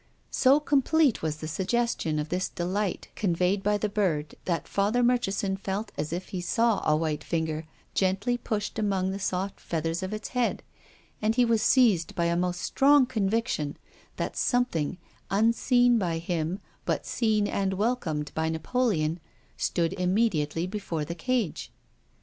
So com plete was the suggestion of this delight conveyed by the bird that Father Murchison felt as if he saw a white finger gently pushed among the soft feathers of its head, and he was seized by a most strong conviction that something, unseen by him but seen and welcomed by Napoleon, stood im mediately before the cage.